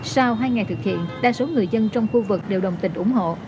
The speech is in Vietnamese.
sau hai ngày thực hiện đa số người dân trong khu vực đều đồng tình ủng hộ